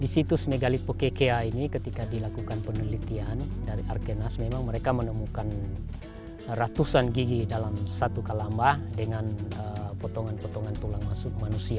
di situs megalith pokekea ini ketika dilakukan penelitian dari arkenas memang mereka menemukan ratusan gigi dalam satu kalambah dengan potongan potongan tulang masuk manusia